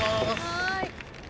はい。